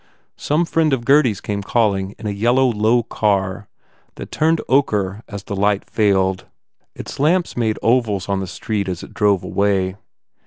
Some friend of Gurdy s came calling in a yellow, low car that turned ochre as the light failed. Its lamps made ovals on the street as it drove away.